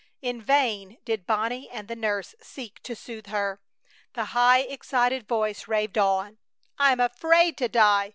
In vain did Bonnie and the nurse seek to soothe her. The high, excited voice raved on: "I'm afraid to die!